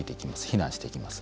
避難していきます。